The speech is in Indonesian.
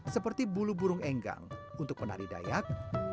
seperti bulu burung enggang untuk penari dayak